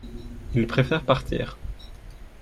il préfère partir.